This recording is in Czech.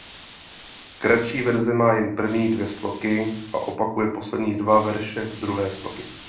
Kratší verze má jen první dvě sloky a opakuje poslední dva verše druhé sloky.